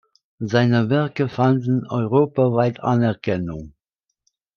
Seine Werke fanden europaweit Anerkennung.